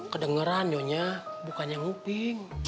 kedengeran nyo nya bukannya nguping